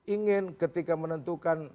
ingin ketika menentukan